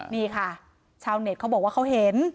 นี่ค่ะชาวเน็ตเขาบอกว่าเขาเห็น